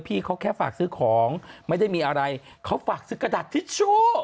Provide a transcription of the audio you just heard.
พี่เขาแค่ฝากซื้อของไม่ได้มีอะไรเขาฝากซื้อกระดาษทิชชู่